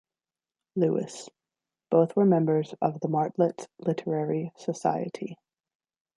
Lewis: both were members of the Martlets Literary Society.